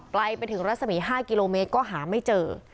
ไกลไปถึงรัศมี๕กิโลเมตรก็หาไม่เจอ